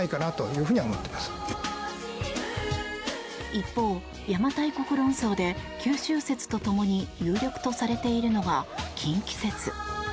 一方、邪馬台国論争で九州説とともに有力とされているのが近畿説。